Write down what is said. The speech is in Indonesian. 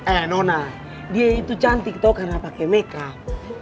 eh nona dia itu cantik toh karena pakai makeup